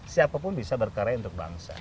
siapapun bisa berkarya untuk bangsa